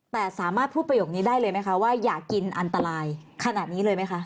แต่สามารถพูดประโยคนี้ได้เลยไหมคะว่าอย่ากินอันตรายขนาดนี้เลยไหมคะ